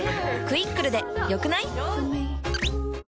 「クイックル」で良くない？